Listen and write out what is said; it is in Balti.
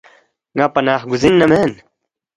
ن٘ا پناہ گزین نہ مین